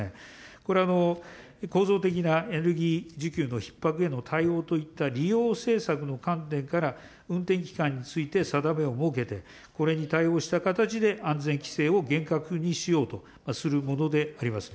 これは、構造的なエネルギー需給のひっ迫への対応といった利用政策の観点から、運転期間について定めを設けて、これに対応した形で、安全規制を厳格にしようとするものであります。